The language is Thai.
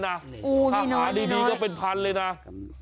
ถ้าหาดีก็เป็นพันธุ์เลยนะโอ้พี่น้อย